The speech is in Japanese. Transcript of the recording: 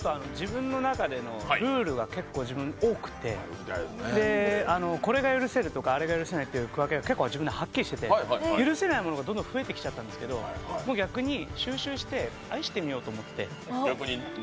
ルールが結構、多くてこれが許せるとかあれが許せないとか区分けが結構自分ではっきりしてて許せないものがたくさん増えてきちゃったんですけど逆に愛してみようと思って。